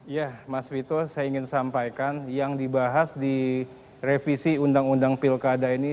ya mas vito saya ingin sampaikan yang dibahas di revisi undang undang pilkada ini